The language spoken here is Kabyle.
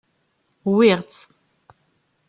Wwiɣ-tt.